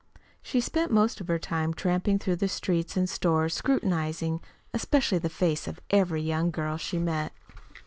She spent most of her time tramping through the streets and stores, scrutinizing especially the face of every young girl she met.